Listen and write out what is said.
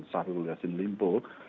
syahrul yassin limpo